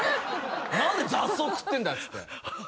何で雑草食ってんだっつって。